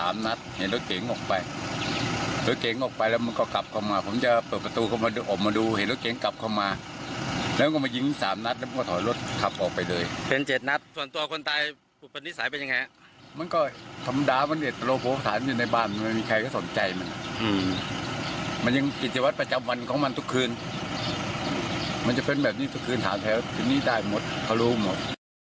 มันยังกิจวัตรประจำวันของมันทุกคืนมันจะเป็นแบบนี้ทุกคืนแถวทีนี้ได้หมดเขารู้หมด